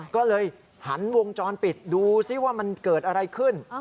ก็เลยหันวงจรปิดดูซิว่ามันเกิดอะไรขึ้น